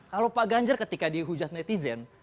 kalau pak ganjar ketika dihujat netizen